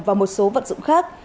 và một số vật dụng khác